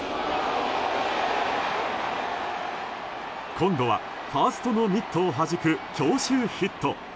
今度はファーストのミットをはじく強襲ヒット。